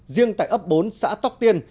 riêng tại ấp bốn xã tóc tiên